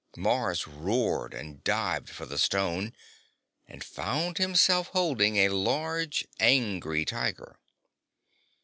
Mars roared and dived for the stone and found himself holding a large, angry tiger.